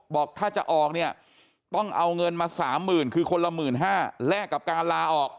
บอกถ้าจะออกเนี่ยต้องเอาเงินมา๓๐๐๐คือคนละ๑๕๐๐แลกกับการลาออก